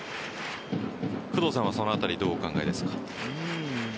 工藤さんはそのあたりどうお考えですか？